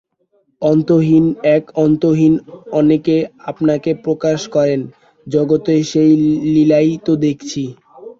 অন্তহীন-এক অন্তহীন অনেকে আপনাকে প্রকাশ করেন– জগতে সেই লীলাই তো দেখছি।